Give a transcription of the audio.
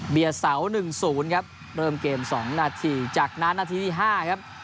เบียดเสาหนึ่งศูนย์ครับเริ่มเกมสองนาทีจากนั้นนาทีที่ห้าครับ